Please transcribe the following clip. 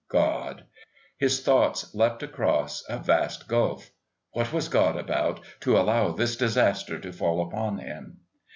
God!...His thoughts leapt across a vast gulf. What was God about, to allow this disaster to fall upon him?